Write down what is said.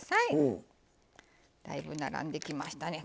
だいぶ並んできましたね。